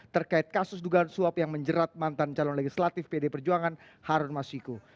terkait kasus dugaan suap yang menjerat mantan calon legislatif pd perjuangan harun masiku